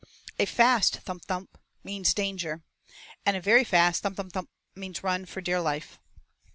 A fast thump thump means 'danger'; and a very fast thump thump thump means 'run for dear life.'